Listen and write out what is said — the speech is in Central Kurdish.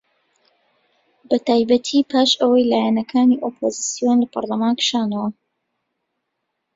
بەتایبەتی پاش ئەوەی لایەنەکانی ئۆپۆزسیۆن لە پەرلەمان کشانەوە